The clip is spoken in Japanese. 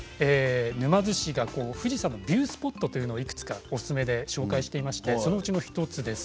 沼津市が富士山のビュースポットおすすめで紹介していましてそのうちの１つです。